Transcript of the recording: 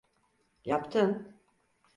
Yaptın…